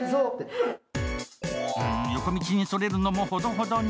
横道に逸れるのもほどほどに。